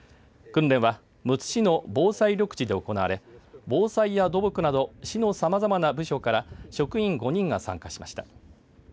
訓練はむつ市の防災緑地で行われ防災や土木など市のさまざまな部署から職員５人が参加しました。